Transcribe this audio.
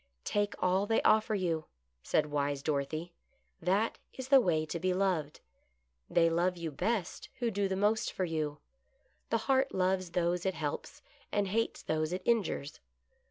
" Take all they offer you," said wise Dorothy. "That is the way to be loved. They love you best who do the most for you. The heart loves those it helps, and hates those it injures.